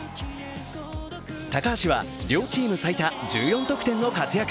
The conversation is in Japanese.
高橋は、両チーム最多１４得点の活躍。